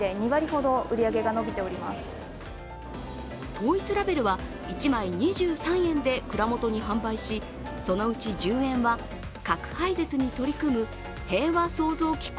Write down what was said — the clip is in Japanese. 統一ラベルは１枚２３円で蔵元に販売し、そのうち１０円は核廃絶に取り組むへいわ創造機構